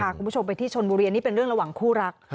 คุณผู้ชมไปที่ชนบุรีนี่เป็นเรื่องระหว่างคู่รัก